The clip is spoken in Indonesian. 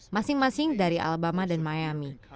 masing masing dari alabama dan miami